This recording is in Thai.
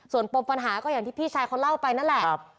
ส่วนปมปัญหาก็อย่างที่พี่ชายเขาเล่าไปนั่นแหละ